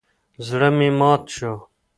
زړه مې مات شو.